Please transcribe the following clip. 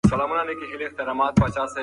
ژبه مو شريکه ده.